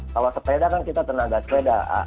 kalau sepeda kan kita tenaga sepeda